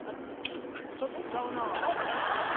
ちょっとちゃうな。